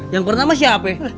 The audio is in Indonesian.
yang pertama siapa ya